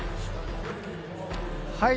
はい。